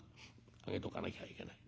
上げとかなきゃいけない。